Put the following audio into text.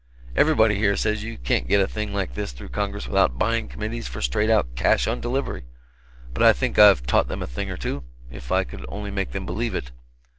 Everybody here says you can't get a thing like this through Congress without buying committees for straight out cash on delivery, but I think I've taught them a thing or two if I could only make them believe it.